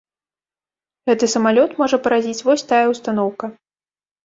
Гэты самалёт можа паразіць вось тая ўстаноўка.